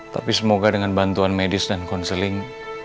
tapi semoga dengan bantuan medis dan konseling